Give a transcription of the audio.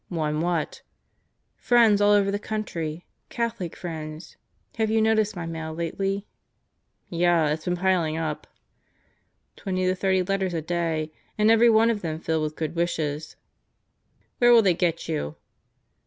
"Won what?" "Friends all over the country. Catholic friends. Have you noticed my mail lately?" "Yeah. It's been piling in." "Twenty to thirty letters a day and every one of them filled with good wishes." "Where will they get you?"